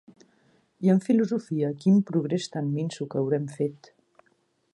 I en filosofia, quin progrés tan minso que haurem fet!